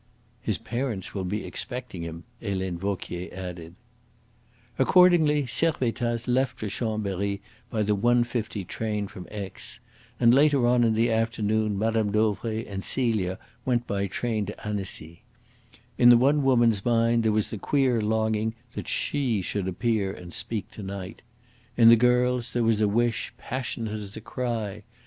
"His parents will be expecting him," Helene Vauquier added. Accordingly Servettaz left for Chambery by the 1.50 train from Aix; and later on in the afternoon Mme. Dauvray and Celia went by train to Annecy. In the one woman's mind was the queer longing that "she" should appear and speak to night; in the girl's there was a wish passionate as a cry.